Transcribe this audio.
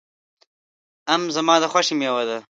آم زما د خوښې مېوه ده.